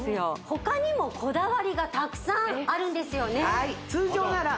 他にもこだわりがたくさんあるんですよね